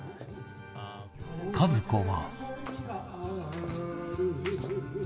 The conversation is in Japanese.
和子は